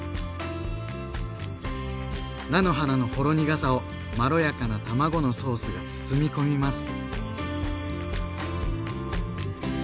菜の花のほろ苦さをまろやかな卵のソースが包み込みます。